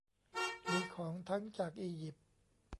มีของทั้งจากอียิปต์